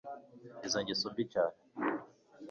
Izo ingeso mbi cyane.